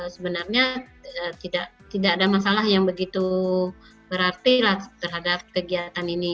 sebenarnya tidak ada masalah yang begitu berarti terhadap kegiatan ini